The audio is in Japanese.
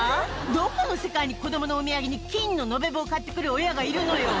どこの世界に、子どものお土産に金の延べ棒買ってくる親がいるのよ？